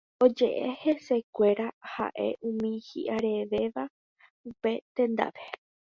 Oje'e hesekuéra ha'eha umi hi'arevéva upe tendápe